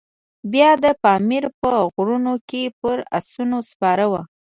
بیا د پامیر په غرونو کې پر آسونو سپاره وو.